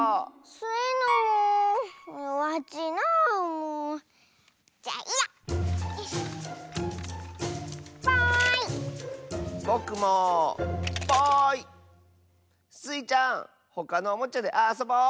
スイちゃんほかのおもちゃであそぼう！